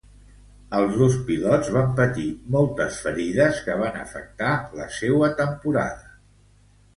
Els dos pilots van patir moltes ferides que van afectar la seua temporada.